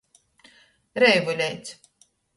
Reivuleits.